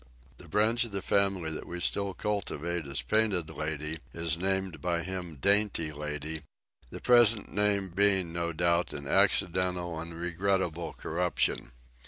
The branch of the family that we still cultivate as "Painted Lady" is named by him "Dainty Lady," the present name being no doubt an accidental and regrettable corruption.